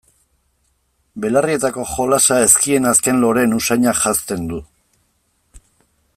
Belarrietako jolasa ezkien azken loreen usainak janzten du.